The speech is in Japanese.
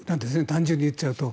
単純に言っちゃうと。